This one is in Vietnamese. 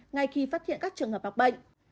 ngay khi phát hiện các trường hợp bác bệnh